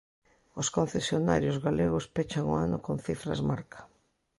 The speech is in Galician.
Os concesionarios galegos pechan o ano con cifras marca.